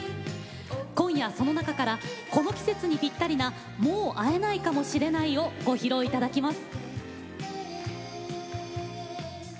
今夜、その中からこの季節にぴったりな「もう逢えないかもしれない」をご披露いただきます。